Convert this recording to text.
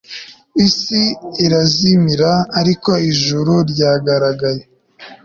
isi irazimira, ariko ijuru ryaragaragaye